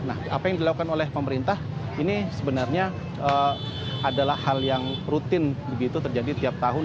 nah apa yang dilakukan oleh pemerintah ini sebenarnya adalah hal yang rutin begitu terjadi tiap tahun